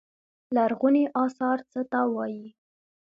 لرغوني اثار څه ته وايي.